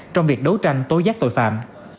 trong việc đấu tranh tối giác tội phạm